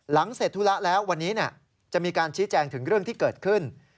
เสร็จธุระแล้ววันนี้จะมีการชี้แจงถึงเรื่องที่เกิดขึ้น